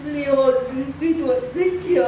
lì hồn tuy thuật giết chiều